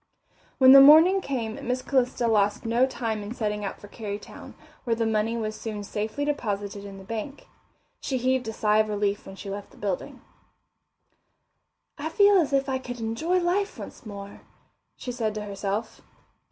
When the morning came Miss Calista lost no time in setting out for Kerrytown, where the money was soon safely deposited in the bank. She heaved a sigh of relief when she left the building. I feel as if I could enjoy life once more, she said to herself.